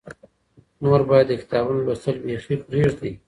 نور باید د کتابونو لوستل بیخي پرېږدې.